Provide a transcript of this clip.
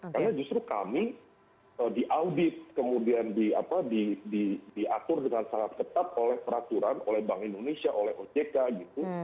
karena justru kami diaudit kemudian diatur dengan sangat tetap oleh peraturan oleh bank indonesia oleh ojk gitu